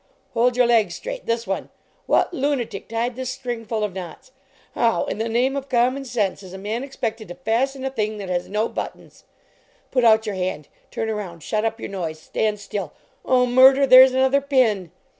" Hold your leg straight! This one ! 4 What lunatic tied this string full of knots ? How in the name of common sense is a man expected to fasten a thing that has no but tons? "Put out your hand! Turn around! Shut up your noise ! Stand still! Oh, mur der! There s another pin!